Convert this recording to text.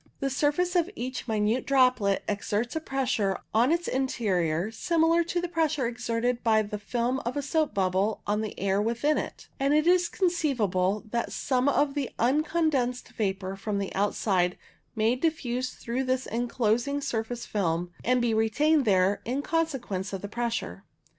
The surface of each minute droplet exerts a pressure on its interior similar to the pressure exerted by the film of a soap bubble on the air within it, and it is conceivable that some of the uncondensed vapour from outside may diffuse through this enclosing surface film, and be retained there in consequence of the pressure.